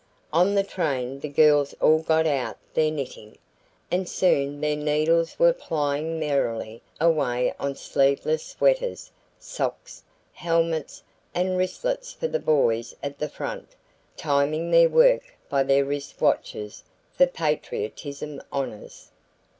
On the train the girls all got out their knitting, and soon their needles were plying merrily away on sleeveless sweaters, socks, helmets, and wristlets for the boys at the front, timing their work by their wrist watches for patriotism honors.